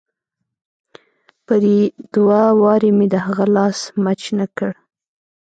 يو دوه وارې مې د هغه لاس مچ نه کړ.